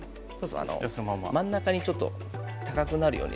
真ん中にちょっと高くなるように。